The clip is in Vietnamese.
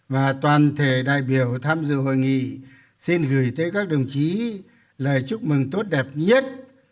và toàn thể đại biểu tham dự hội nghị xin gửi tới các đồng chí lời chúc mừng tốt đẹp nhất